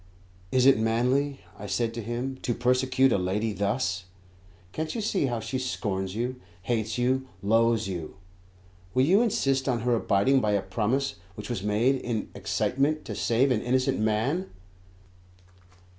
"Is it manly," I said to him, "to persecute a lady thus? Can't you see how she scorns you, hates you, loathes you? Will you insist on her abiding by a promise which was made in excitement to save an innocent man?"